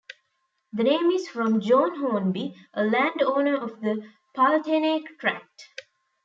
The name is from John Hornby, a land owner of the Pulteney Tract.